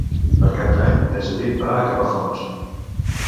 Per Cap d'Any na Judit va a Capafonts.